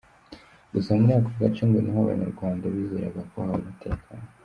Gusa muri ako gace ngo ni ho hantu abanyarwanda bizeraga ko haba umutekano.